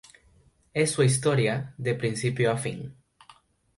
Es su historia de principio a fin.".